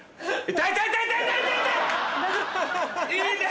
痛い！